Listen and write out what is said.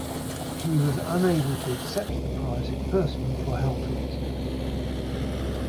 He was unable to accept the prize in person for health reasons.